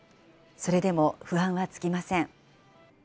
それでも不安は尽きません。